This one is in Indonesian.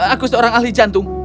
aku seorang ahli jantung